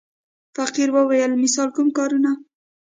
فقیر وویل: مثلاً کوم کارونه.